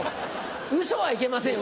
ウソはいけませんよ